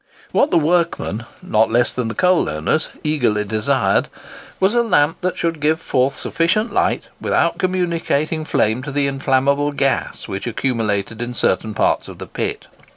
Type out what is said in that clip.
What the workmen, not less than the coal owners, eagerly desired was, a lamp that should give forth sufficient light, without communicating flame to the inflammable gas which accumulated in certain parts of the pit.